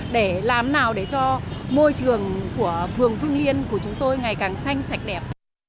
để làm nào để cho môi trường của phường phương liên của chúng tôi ngày càng xanh sạch đẹp